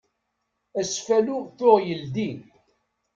Asfaylu tuɣ yeldi.